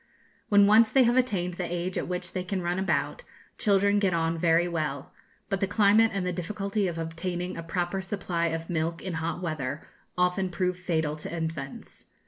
When once they have attained the age at which they can run about, children get on very well; but the climate, and the difficulty of obtaining a proper supply of milk in hot weather, often prove fatal to infants.